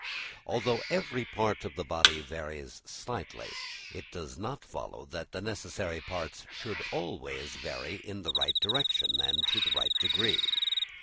Although every part of the body varies slightly, it does not follow that the necessary parts should always vary in the right direction and to the right degree.